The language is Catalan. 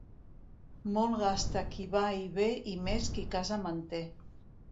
Molt gasta qui va i ve i més qui casa manté.